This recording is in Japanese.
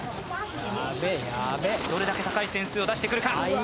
どれだけ高い点数を出してくるか。